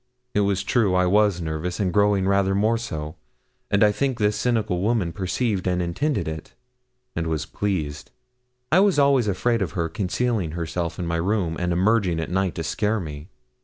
It was true. I was nervous, and growing rather more so; and I think this cynical woman perceived and intended it, and was pleased. I was always afraid of her concealing herself in my room, and emerging at night to scare me.